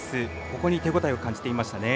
ここに手応えを感じていましたね。